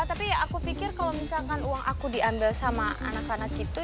tapi aku pikir kalau misalkan uang aku diambil sama anak anak gitu